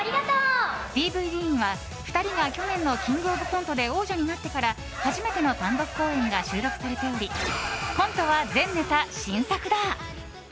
ＤＶＤには２人が去年の「キングオブコント」で王者になってから初めての単独公演が収録されておりコントは全ネタ新作だ。